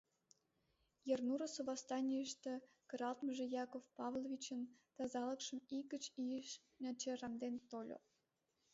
Ернурысо восстанийыште кыралтмыже Яков Павловичын тазалыкшым ий гыч ийыш начаремден тольо.